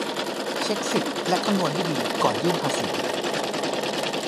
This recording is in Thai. เช็กสิทธิ์และคำนวณให้ดี ก่อนยื่นภาษี